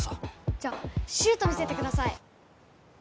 じゃあシュート見せてください。